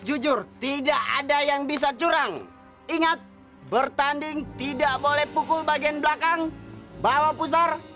jujur tidak ada yang bisa curang ingat bertanding tidak boleh pukul bagian belakang bawa pusar